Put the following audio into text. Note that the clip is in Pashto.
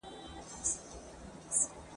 زما په زړه یې جادو کړی زما په شعر یې کوډي کړي !.